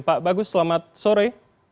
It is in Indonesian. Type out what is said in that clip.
pak bagus selamat sore